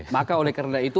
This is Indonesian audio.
maka oleh karena itu